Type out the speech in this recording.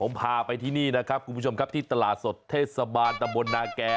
ผมพาไปที่นี่นะครับคุณผู้ชมครับที่ตลาดสดเทศบาลตำบลนาแก่